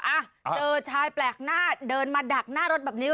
อ่ะเจอชายแปลกหน้าเดินมาดักหน้ารถแบบนี้